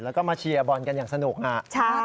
แล้วก็มาเชียร์บอลกันอย่างสนุกอ่ะ